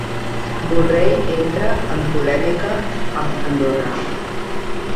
Borrell entra en polèmica amb Andorra